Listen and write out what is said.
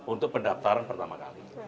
untuk pendaftaran pertama kali